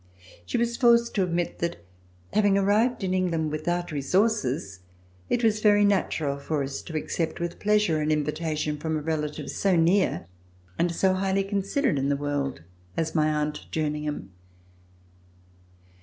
She was forced to admit that, having arrived in England without re sources, it was very natural for us to accept with pleasure an invitation from a relative so near and so highly considered in the world as my aunt Jerning ham.